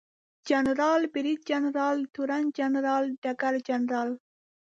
جنرال، بریدجنرال، تورن جنرال ، ډګرجنرال